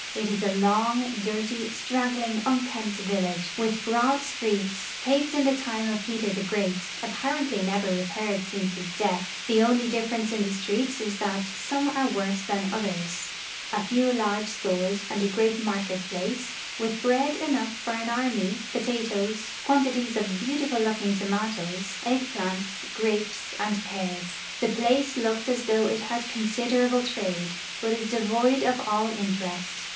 It is a long, dirty, .straggling, unkempt village, with broad streets, paved in the time of Peter tlie Great, apparently never repaired since his death ; the onl v difference in the streets is that some are worse than others ; a few large stores and a great market place, with bread enough for an army ; potatoes, quantities of beautiful looking tomatoes, egg plants, gra})es, and pears. The place looked as though it had considerable trade, l>ut is devoid of all interest.